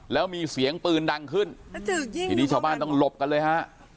แล้วมีเสียงปืนดังขึ้นทีนี้ชาวบ้านต้องหลบกันเลยฮะ